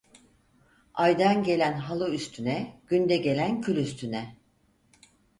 Aydan gelen halı üstüne, günde gelen kül üstüne.